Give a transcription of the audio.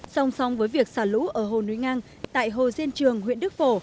song song với việc xả lũ ở hồ núi ngang tại hồ diên trường huyện đức phổ